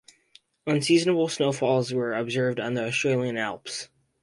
Unseasonable snowfalls were observed on the Australian Alps.